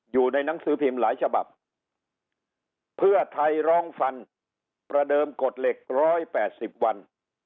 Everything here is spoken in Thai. อยู่ในหนังสือพิมพ์หลายฉบับเพื่อไทยร้องฟันประเดิมกฎเหล็ก๑๘๐วัน